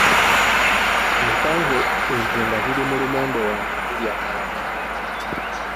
Nsanze ente nga ziri mu lumonde wange zirya amalagala.